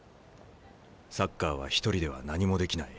サッカーは一人では何もできない。